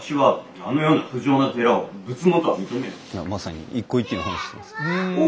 あまさに一向一揆の話してます。